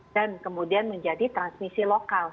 dan kemudian menjadi transmisi lokal